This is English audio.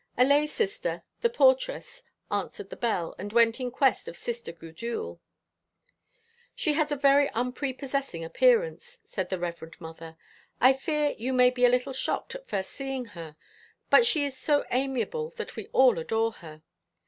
A lay sister, the portress, answered the bell, and went in quest of Sister Gudule. "She has a very unprepossessing appearance," said the Reverend Mother. "I fear you may be a little shocked at first seeing her, but she is so amiable that we all adore her.